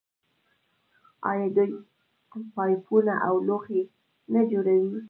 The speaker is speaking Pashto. آیا دوی پایپونه او لوښي نه جوړوي؟